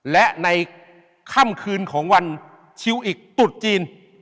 และในค่ำคืนของวันชิวอิกตุดจีน